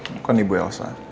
bukan ibu elsa